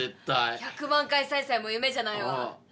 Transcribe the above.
１００万回再生も夢じゃないわ。